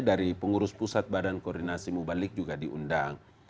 dari pengurus pusat badan koordinasi mubalik juga diundang